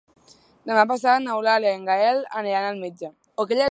Demà passat n'Eulàlia i en Gaël aniran al metge.